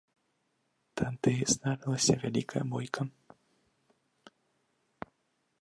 Тады здарылася вялікая бойка.